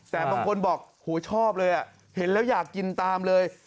แต่บางคนบอกโหชอบเลยเห็นแล้วอยากกินตามเลย